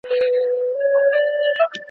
پرمختګ باید په ټولو برخو کي وي.